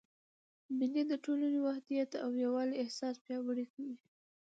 مېلې د ټولني د وحدت او یووالي احساس پیاوړی کوي.